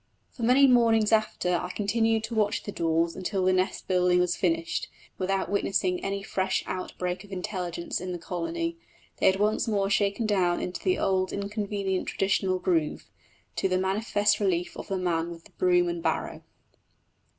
For many mornings after I continued to watch the daws until the nest building was finished, without witnessing any fresh outbreak of intelligence in the colony: they had once more shaken down into the old inconvenient traditional groove, to the manifest relief of the man with the broom and barrow.